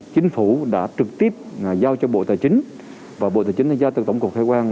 chính phủ đã trực tiếp giao cho bộ tài chính và bộ tài chính đã giao từ tổng cục hải quan